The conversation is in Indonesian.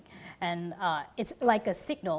dan ini seperti sinyal